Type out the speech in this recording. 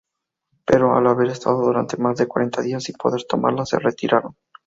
Pero, al haber estado durante más de cuarenta días sin poder tomarla, se retiraron.